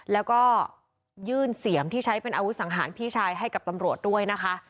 แล้วก็ยื่นเสียมที่ใช้เป็นอาวุธสังหารพี่ชายให้กับตำรวจด้วยนะคะ